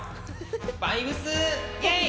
バイブスイェイ！